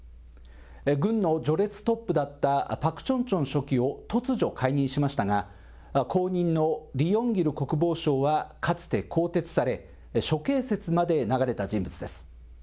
軍の序列トップだったパク・チョンチョン書記を突如解任しましたが、後任のリ・ヨンギル国防相はかつて更迭され、処刑説まで流れた人物です。